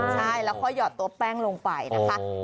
อ๋อใช่แล้วพอหยอดตัวแป้งลงไปนะคะ